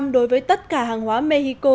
đối với tất cả hàng hóa mexico